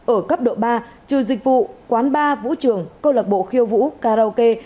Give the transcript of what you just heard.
ở cấp độ ba trừ dịch vụ quán bar vũ trường công lập bộ khiêu vũ karaoke